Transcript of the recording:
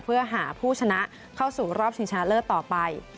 เพื่อหาผู้ชนะเข้าสู่รอบชิงชนะเลิศต่อไป